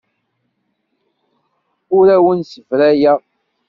Ur awen-ssebrayeɣ.